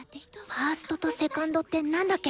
ファーストとセカンドってなんだっけ？